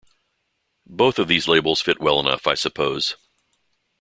Both of these labels fit well enough, I suppose.